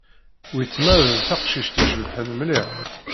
Wettma d taqcict icebḥen mliḥ.